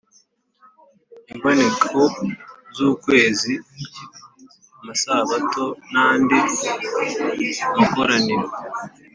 Imboneko z’ukwezi, amasabato n’andi makoraniro,